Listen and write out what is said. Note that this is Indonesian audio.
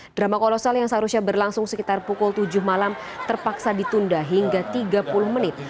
drama kolosal yang seharusnya berlangsung sekitar pukul tujuh malam terpaksa ditunda hingga tiga puluh menit